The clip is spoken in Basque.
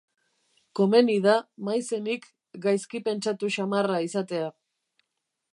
Komeni da maizenik gaizki pentsatu samarra izatea.